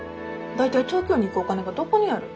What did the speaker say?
大体東京に行くお金がどこにある？